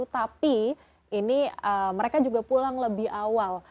tapi ini mereka juga pulang lebih awal